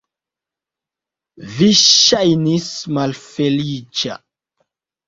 Vi ŝajnis malfeliĉa.